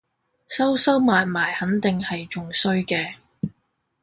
收收埋埋肯定係仲衰嘅